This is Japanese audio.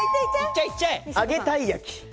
揚げたい焼き。